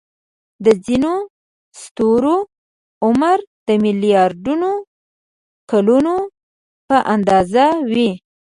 د ځینو ستورو عمر د ملیاردونو کلونو په اندازه وي.